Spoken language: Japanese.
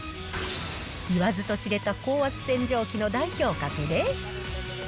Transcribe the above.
言わずと知れた高圧洗浄機の代表格で。